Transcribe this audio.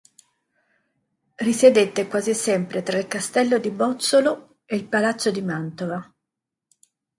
Risiedette quasi sempre tra il castello di Bozzolo e il palazzo di Mantova.